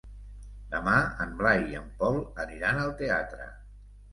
Demà en Blai i en Pol aniran al teatre.